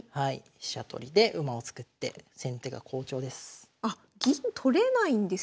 飛車取りで馬を作って先手が好調です。